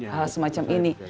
hal semacam ini